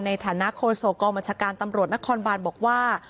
ในฐานะโคตรโศกรรมรับบริษัทการณ์ตำรวจนครบารบอกว่า